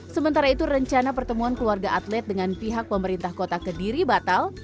sementara itu rencana pertemuan keluarga atlet dengan pihak pemerintah kota kediri batal